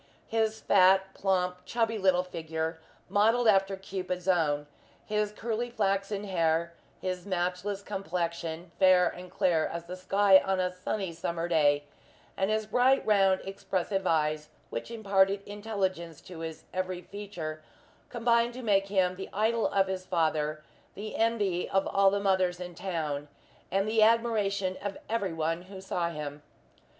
His fat, plump, chubby little figure, modelled after Cupid's own; his curly flaxen hair; his matchless complexion, fair and clear as the sky on a sunny summer day; and his bright, round, expressive eyes, which imparted intelligence to his every feature, combined to make him the idol of his father, the envy of all the mothers in town, and the admiration of every one who saw him.